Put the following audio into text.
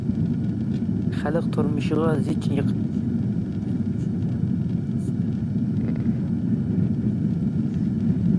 خەلق تۇرمۇشىغا زىچ يېقىنلىشىپ جەنۇبىي شىنجاڭنىڭ يۇقىرى سۈپەتلىك تەرەققىياتىغا تۈرتكە بولۇش.